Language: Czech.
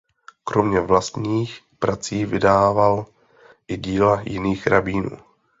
Kromě vlastních prací vydával i díla jiných rabínů.